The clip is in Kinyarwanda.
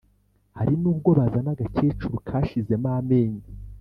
hari n’ubwo bazana agakecuru kashizemo amenyo